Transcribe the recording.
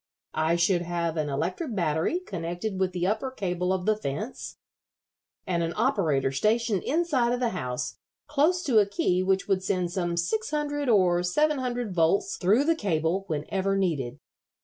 I should have an electric battery connected with the upper cable of the fence, and an operator stationed inside of the house, close to a key which would send some six hundred or seven hundred volts through the cable whenever needed.